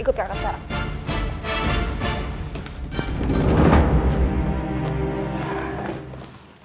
ikut kakak sekarang